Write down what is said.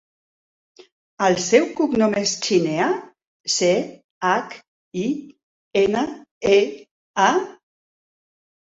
El seu cognom és Chinea: ce, hac, i, ena, e, a.